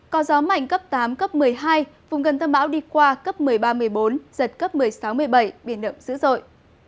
có gió mạnh cấp tám cấp một mươi hai vùng gần tâm bão đi qua cấp một mươi ba một mươi bốn giật cấp một mươi sáu một mươi bảy biển động dữ dội